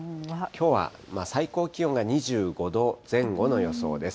きょうは最高気温が２５度前後の予想です。